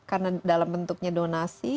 karena dalam bentuknya donasi